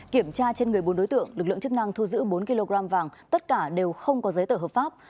kiểm tra trên người bốn đối tượng lực lượng chức năng thu giữ bốn kg vàng tất cả đều không có giấy tờ hợp pháp